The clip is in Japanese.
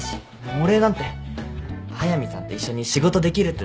お礼なんて速見さんと一緒に仕事できるってだけで十分です。